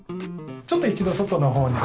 ちょっと一度外の方に。